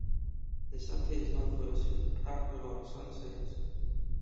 The city is known for its spectacular sunsets.